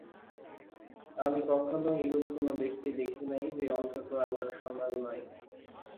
আমি কখনও এইরূপ কোন ব্যক্তি দেখি নাই, যে অন্তত আমার সমান নয়।